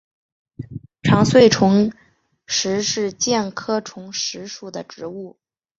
长穗虫实是苋科虫实属的植物。